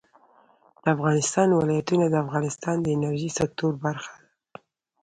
د افغانستان ولايتونه د افغانستان د انرژۍ سکتور برخه ده.